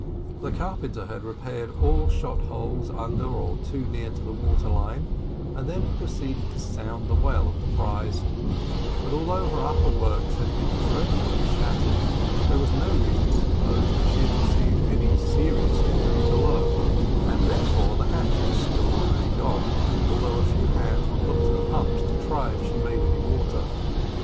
The carpenter had repaired all shot holes under or too near to the water line, and then had proceeded to sound the well of the prize; but although her upper works had been dreadfully shattered, there was no reason to suppose that she had received any serious injury below, and therefore the hatches still remained on, although a few hands were put to the pumps to try if she made any water.